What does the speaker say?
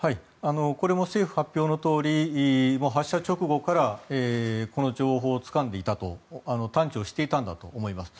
これも政府発表のとおり発射直後からこの情報をつかんでいた探知をしていたんだと思います。